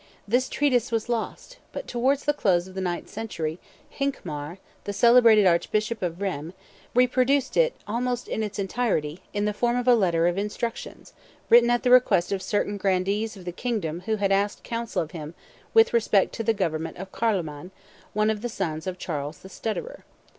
This treatise was lost; but towards the close of the ninth century, Hincmar, the celebrated archbishop of Rheims, reproduced it almost in its entirety, in the form of a letter or of instructions, written at the request of certain grandees of the kingdom who had asked counsel of him with respect to the government of Carloman, one of the sons of Charles the Stutterer.